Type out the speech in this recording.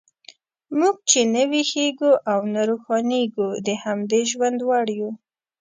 موږ چې نه ویښیږو او نه روښانیږو، د همدې ژوند وړ یو.